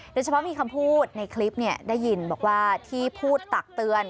โดยเฉพาะมีคำพูดในคลิปได้ยินบอกว่าที่พูดตักเตือน